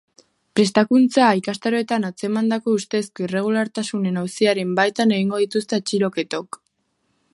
Prestakuntza ikastaroetan atzemandako ustezko irregulartasunen auziaren baitan egingo dituzte atxiloketok.